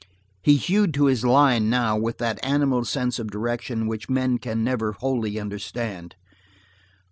He hewed to his line now with that animal sense of direction which men can never wholly understand.